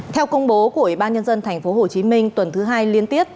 theo công bố của ủy ban nhân dân tp hcm tuần thứ hai liên tiếp